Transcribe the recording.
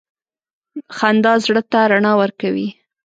• خندا زړه ته رڼا ورکوي.